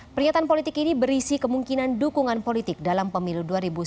pernyataan politik ini berisi kemungkinan dukungan politik dalam pemilu dua ribu sembilan belas